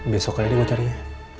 besok kali ini gue carinya